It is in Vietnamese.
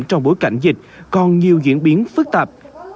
trong bối cảnh dịch còn nhiều diễn biến phức tạp